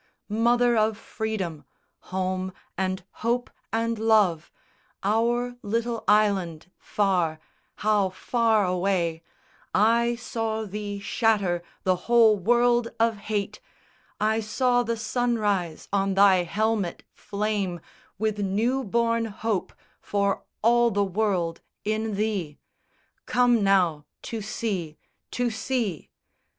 Mother of freedom, home and hope and love, Our little island, far, how far away, I saw thee shatter the whole world of hate, I saw the sunrise on thy helmet flame With new born hope for all the world in thee! Come now, to sea, to sea!"